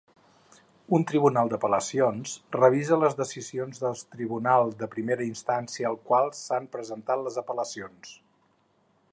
Un tribunal d"apel·lacions revisa les decisions del tribunals de primera instància als quals s"han presentat les apel·lacions.